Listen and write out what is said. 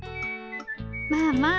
まあまあ。